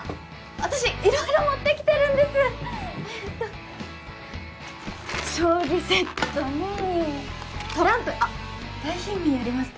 私色々持ってきてるんですええと将棋セットにトランプあっ大貧民やりますか？